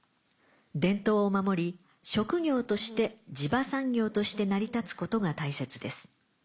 伝統を守り職業として地場産業として成り立つことが大切です。